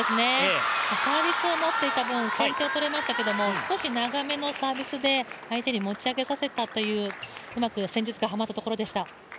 サービスを持っていた分、先手を取れましたけど少し長めのサービスで相手に持ち上げさせたといううまく戦術がはまったところでした。